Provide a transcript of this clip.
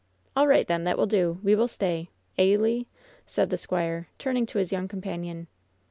"All right, then. That will do. We will stay. Eh, Le ?" said the squire, turning to his young companion.